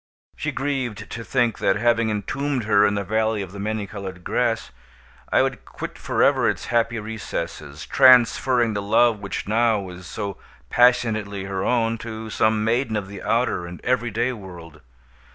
She grieved to think that, having entombed her in the Valley of the Many Colored Grass, I would quit forever its happy recesses, transferring the love which now was so passionately her own to some maiden of the outer and everyday world.